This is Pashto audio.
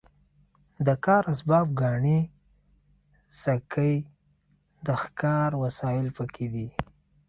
د کار اسباب ګاڼې سکې د ښکار وسایل پکې دي.